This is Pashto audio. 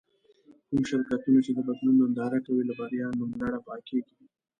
کوم شرکتونه چې د بدلون ننداره کوي له بريا نوملړه پاکېږي.